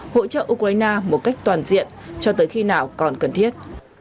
hỗ trợ ukraine một cách toàn diện cho tới khi nào còn cần thiết